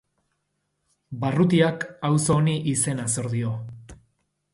Barrutiak auzo honi izena zor dio.